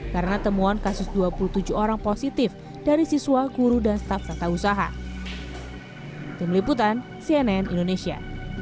karena temuan kasus dua puluh tujuh orang positif dari siswa guru dan staf serta usaha